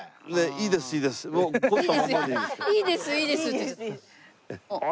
「いいですいいです」って。